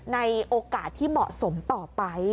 ในโอกาสที่เหมาะสมต่อไป